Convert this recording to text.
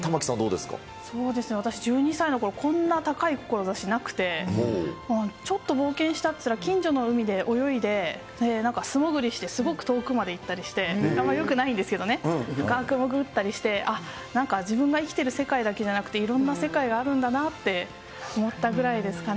私、１２歳のころ、こんな高い志なくて、もう、ちょっと冒険したいっていったら、近所の海で泳いで、素潜りしてすごく遠くまで行ったりして、あんまりよくないんですけどね、深く潜ったりして、あっ、なんか自分が生きてる世界だけじゃなくて、いろんな世界があるんだなって思ったぐらいですかね。